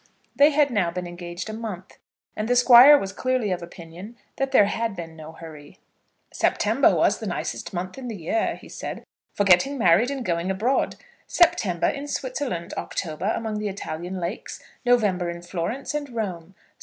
They had now been engaged a month, and the Squire was clearly of opinion that there had been no hurry. "September was the nicest month in the year," he said, "for getting married and going abroad. September in Switzerland, October among the Italian lakes, November in Florence and Rome.